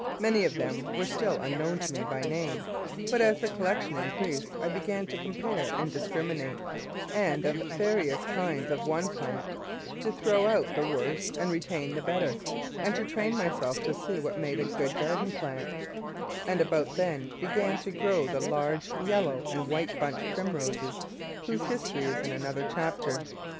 Many of them were still unknown to me by name, but as the collection increased I began to compare and discriminate, and of various kinds of one plant to throw out the worse and retain the better, and to train myself to see what made a good garden plant, and about then began to grow the large yellow and white bunch Primroses, whose history is in another chapter.